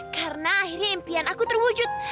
karena akhirnya impian aku terwujud